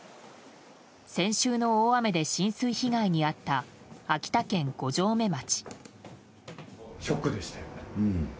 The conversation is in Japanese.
先週の大雨で浸水被害に遭った秋田県五城目町。